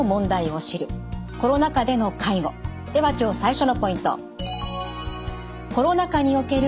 では今日最初のポイント。